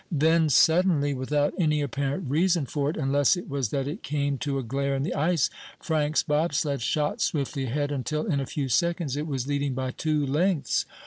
Then, suddenly, without any apparent reason for it, unless it was that it came to a glair in the ice, Frank's bobsled shot swiftly ahead, until, in a few seconds, it was leading by two lengths.